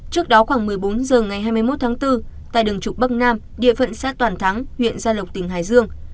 trước đó khoảng một mươi bốn h ngày hai mươi một tháng bốn tại đường trục bắc nam địa phận xã toàn thắng huyện gia lộc tỉnh hải dương